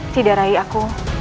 tidak rai aku